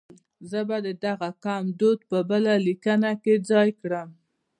زه به د دغه قوم دود په بله لیکنه کې ځای کړم.